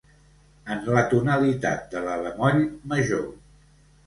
En la tonalitat de la bemoll major.